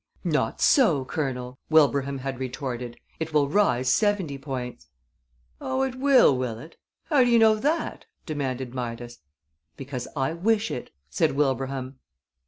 "Not so, Colonel," Wilbraham had retorted. "It will rise seventy points." "Oh, it will, will it? How do you know that?" demanded Midas. "Because I wish it," said Wilbraham.